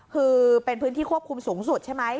คือเป็นพื้นที่ควบคุมสูงสุดใช่ไหม